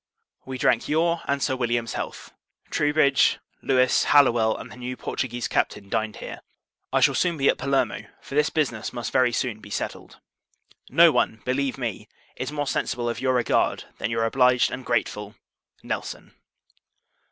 We drank your and Sir William's health. Troubridge, Louis, Hallowell, and the new Portuguese Captain, dined here. I shall soon be at Palermo; for this business must very soon be settled. No one, believe me, is more sensible of your regard, than your obliged and grateful NELSON.